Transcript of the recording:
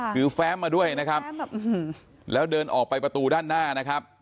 คือแฟ้มมาด้วยนะครับแล้วเดินออกไปประตูด้านหน้านะครับ